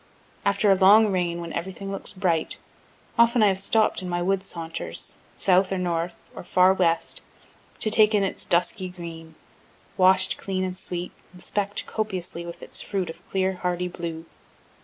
After a long rain, when everything looks bright, often have I stopt in my wood saunters, south or north, or far west, to take in its dusky green, wash'd clean and sweet, and speck'd copiously with its fruit of clear, hardy blue.